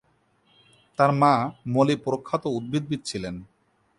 তার মা মলি প্রখ্যাত উদ্ভিদবিদ ছিলেন।